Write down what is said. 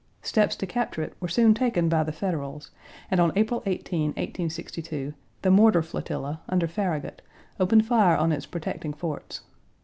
Steps to capture it were soon taken by the Federals and on April 18, 1862, the mortar flotilla, under Farragut, opened fire on its protecting forts.